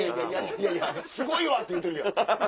いやいや「すごいわ」って言うてるやん。